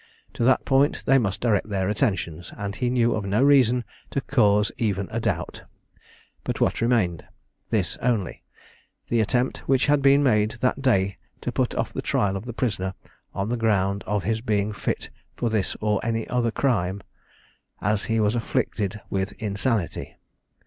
to that point they must direct their attention, and he knew of no reason to cause even a doubt. But what remained? This only, the attempt which had been made that day to put off the trial of the prisoner, on the ground of his being fit for this or any other crime, as he was afflicted with insanity.